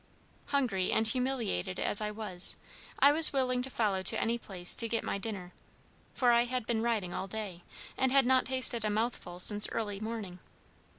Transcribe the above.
Hungry and humiliated as I was, I was willing to follow to any place to get my dinner, for I had been riding all day, and had not tasted a mouthful since early morning.